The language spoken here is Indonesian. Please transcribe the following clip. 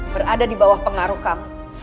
berada di bawah pengaruh kamu